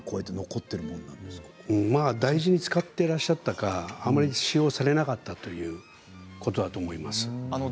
大事に使ってらっしゃったかあまり使用されなかったということだと思います。